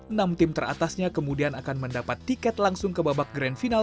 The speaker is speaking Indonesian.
enam tim teratasnya kemudian akan mendapat tiket langsung ke babak grand final